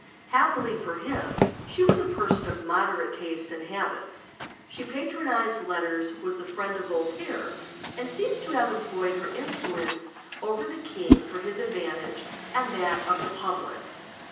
Happily for him, she was a person of moderate taste and habits. She patronized letters, was the friend of Voltaire, and seems to have employed her influence over the king for his advantage and that of the public.